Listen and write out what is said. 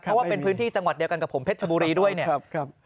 เพราะว่าเป็นพื้นที่จังหวัดเดียวกันกับผมเพชรชบุรีด้วยเนี่ย